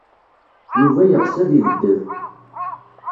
Yuba yeɣs ad ibeddel.